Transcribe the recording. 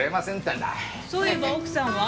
そういえば奥さんは？